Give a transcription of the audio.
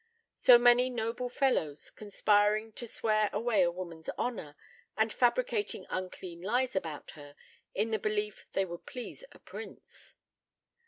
So many noble fellows conspiring to swear away a woman's honor, and fabricating unclean lies about her, in the belief they would please a prince.